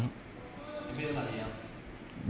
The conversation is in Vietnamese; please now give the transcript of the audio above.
em biết là gì ạ